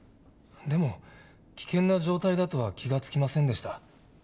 でも危険な状態だとは気が付きませんでした。